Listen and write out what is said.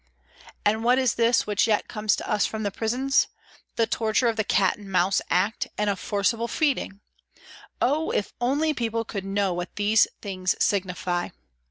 And what is this which yet comes to us from the prisons ? The torture of the " Cat and Mouse " Act and of forcible feeding ! Oh ! if only people could know what these things signify